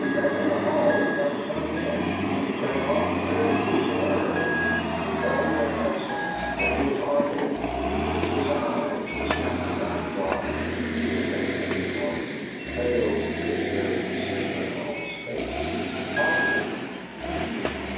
"I met him in the hall as I was coming in, but he ran off in the very deuce of a hurry. They told me at Epsom that he was hard hit." His eyes, distracted by a fly for which he had taken a dislike, failed to observe his sister in law's face. "Hard hit?" she repeated.